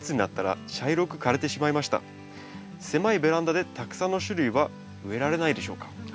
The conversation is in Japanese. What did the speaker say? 「狭いベランダでたくさんの種類は植えられないでしょうか？」。